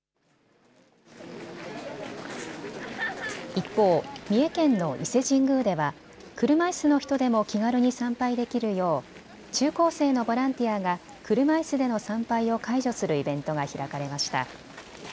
一方、三重県の伊勢神宮では車いすの人でも気軽に参拝できるよう中高校生のボランティアが車いすでの参拝を介助するイベントが開かれました。